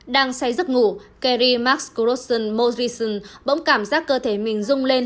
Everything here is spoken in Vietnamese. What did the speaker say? đang say giấc ngủ kerry max crosson morison bỗng cảm giác cơ thể mình rung lên